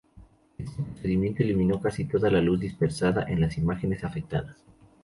Este procedimiento eliminó casi toda la luz dispersada de las imágenes afectadas.